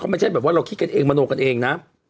ไม่ใช่ถึงคิดกันเองบรรโนกันเองนะ